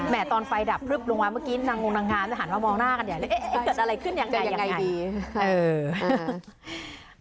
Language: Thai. แหม่ตอนไฟดับพลึกลงมาเมื่อกี้นางงงนางฮามมันหันว่ามองหน้ากันอย่างนี้เอ๊ะเกิดอะไรขึ้นยังไง